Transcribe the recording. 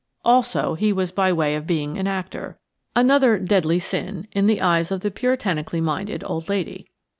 Also he was by way of being an actor, another deadly sin in the eyes of the puritanically minded old lady.